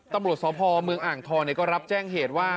ตำรวจสพเมืองอ่างทองก็รับแจ้งเหตุว่า